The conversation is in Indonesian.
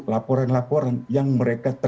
laporan laporan yang mereka